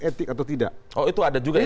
etik atau tidak oh itu ada juga yang